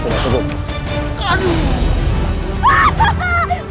tidak tidak tidak tidak